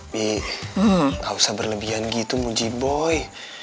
lebih gak usah berlebihan gitu muji boy